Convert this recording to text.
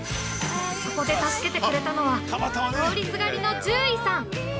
◆そこで助けてくれたのは、通りすがりの獣医さん。